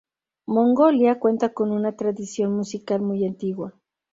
Mongolia cuenta con una tradición musical muy antigua.